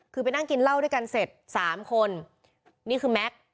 คือไปนั่งกินเหล้าด้วยกันเสร็จสามคนนี่คือแม็กซ์